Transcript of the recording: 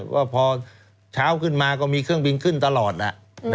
ว่าพอเช้าขึ้นมาก็มีเครื่องบินขึ้นตลอด